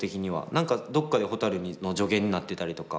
何かどっかでほたるの助言になってたりとか